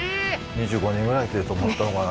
２５人ぐらいで泊まったのかな